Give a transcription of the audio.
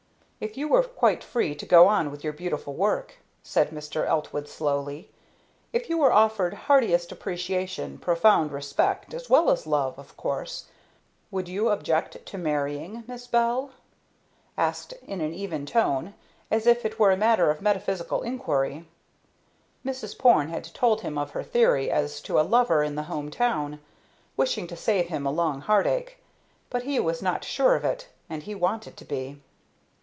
"If you were quite free to go on with your beautiful work," said Mr. Eltwood slowly, "if you were offered heartiest appreciation, profound respect, as well as love, of course; would you object to marrying, Miss Bell?" asked in an even voice, as if it were a matter of metaphysical inquiry. Mrs. Porne had told him of her theory as to a lover in the home town, wishing to save him a long heart ache, but he was not sure of it, and he wanted to be.